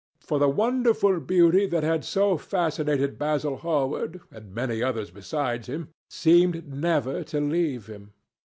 For the wonderful beauty that had so fascinated Basil Hallward, and many others besides him, seemed never to leave him.